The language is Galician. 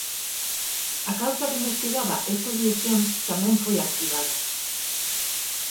A causa que investigaba estas lesións tamén foi arquivada.